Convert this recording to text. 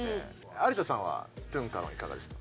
有田さんはトゥンカロンいかがですか？